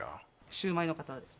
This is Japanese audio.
シュウマイの方です